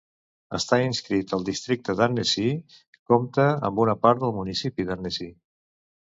Està inscrit al districte d'Annecy, compta amb una part del municipi d'Annecy.